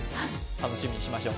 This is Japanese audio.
楽しみにしましょう。